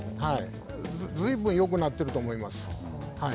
ずいぶんよくなっていると思います。